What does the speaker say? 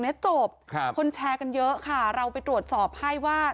เนี้ยจบครับคนแชร์กันเยอะค่ะเราไปตรวจสอบให้ว่า